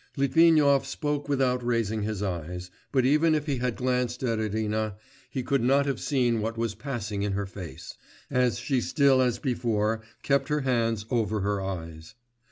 Litvinov spoke without raising his eyes, but even if he had glanced at Irina, he could not have seen what was passing in her face, as she still as before kept her hands over her eyes.